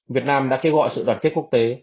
việt nam đã kêu gọi sự đoàn kết quốc tế